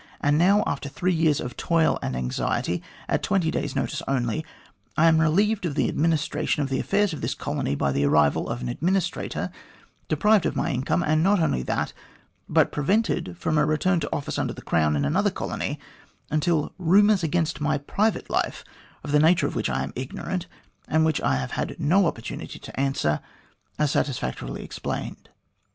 And now, after three years of toil and anxiety, at twenty days' notice only, I am relieved of the administration of the affairs of this colony by the arrival of an administrator, deprived of my income, and not only that, but prevented from a return to office under the Crown in another colony until * rumours against my private life,' of the nature of which I am ignorant, and which I have had no oppor tunity to answer, are satisfactorily explained.